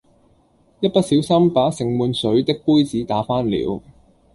一不小心把盛滿水的杯子打翻了